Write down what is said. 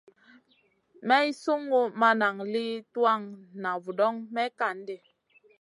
Maï sungu ma nan sli tuwan na vudoŋ may kan ɗi.